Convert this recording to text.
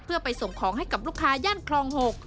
เพื่อไปส่งของให้กับลูกค้าย่านคลอง๖